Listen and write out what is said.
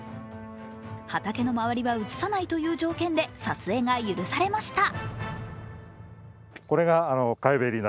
畑の周りは映さないという条件で撮影が許されました。